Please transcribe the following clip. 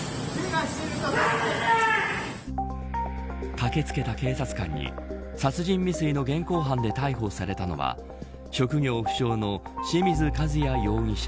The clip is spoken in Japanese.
駆け付けた警察官に殺人未遂の現行犯で逮捕されたのは職業不詳の清水和也容疑者